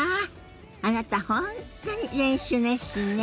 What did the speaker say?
あなた本当に練習熱心ね。